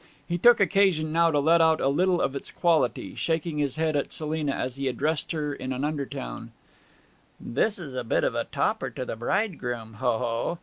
He took occasion now to let out a little of its quality, shaking his head at Selina as he addressed her in an undertone 'This is a bit of a topper to the bridegroom, ho ho!